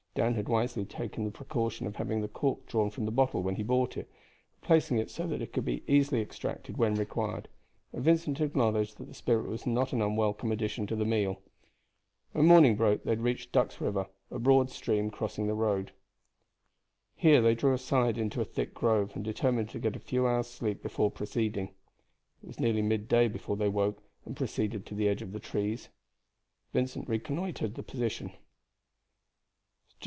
Dan had wisely taken the precaution of having the cork drawn from the bottle when he bought it, replacing it so that it could be easily extracted when required, and Vincent acknowledged that the spirit was a not unwelcome addition to the meal. When morning broke they had reached Duck's River, a broad stream crossing the road. Here they drew aside into a thick grove, and determined to get a few hours' sleep before proceeding. It was nearly midday before they woke and proceeded to the edge of the trees. Vincent reconnoitered the position.